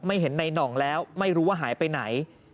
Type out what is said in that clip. เห็นในหน่องแล้วไม่รู้ว่าหายไปไหน